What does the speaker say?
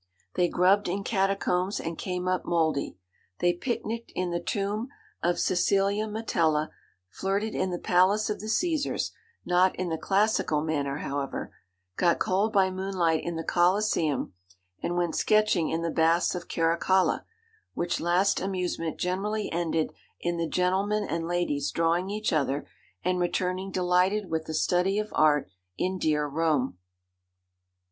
They grubbed in catacombs and came up mouldy. They picnicked in the tomb of Cæcelia Metella, flirted in the palace of the Cæsars not in the classical manner, however, got cold by moonlight in the Colosseum, and went sketching in the Baths of Caracalla, which last amusement generally ended in the gentlemen and ladies drawing each other, and returning delighted with the study of art in 'dear Rome.'